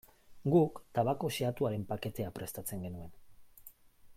Guk tabako xehatuaren paketea prestatzen genuen.